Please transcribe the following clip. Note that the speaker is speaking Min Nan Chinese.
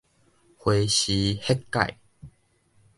花施血解